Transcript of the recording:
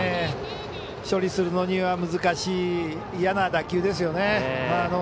処理するのには難しい、嫌な打球ですよね。